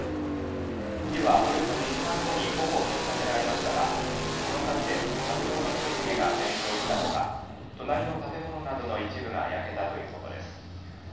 火はおよそ２時間後にほぼ消し止められましたがこの火事で建物１棟が全焼したほか隣の建物などの一部が焼けたということです。